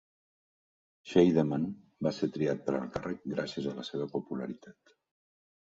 Scheidemann va ser triat per al càrrec gràcies a la seva popularitat.